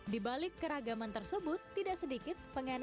dibalik keragaman tersebut tidak sedikit pengainan tanahnya